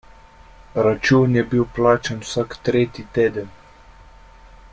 Račun je bil plačan vsak tretji teden.